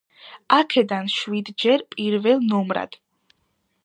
აქედან შვიდჯერ პირველ ნომრად.